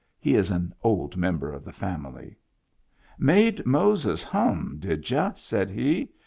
He is an old member of the family.) " Made Moses hum, did y'u ?" said he.